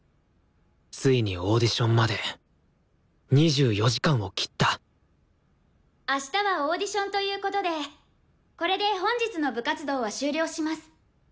ついにオーディションまで２４時間を切ったあしたはオーディションということでこれで本日の部活動は終了します。